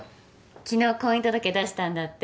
昨日婚姻届出したんだって？